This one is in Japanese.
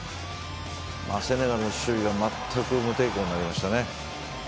セネガルの守備が全く無抵抗になりましたね。